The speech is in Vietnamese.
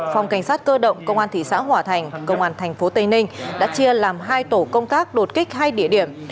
phòng cảnh sát cơ động công an thị xã hỏa thành công an thành phố tây ninh đã chia làm hai tổ công tác đột kích hai địa điểm